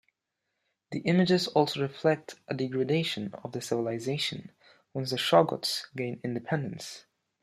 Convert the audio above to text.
The images also reflect a degradation of their civilization, once the shoggoths gain independence.